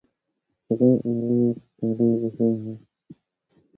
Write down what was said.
سُگائ اولاد پیدا گِشے ہو ؟